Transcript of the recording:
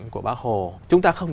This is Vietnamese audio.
của bác hồ chúng ta không